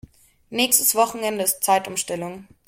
Nächstes Wochenende ist Zeitumstellung.